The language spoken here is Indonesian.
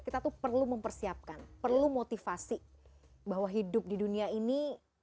gapai kemuliaan akan kembali setelah yang satu ini